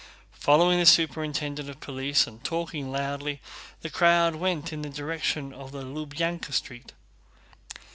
Following the superintendent of police and talking loudly the crowd went in the direction of the Lubyánka Street.